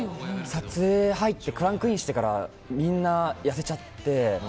撮影に入ってクランクインしてからみんな痩せちゃって。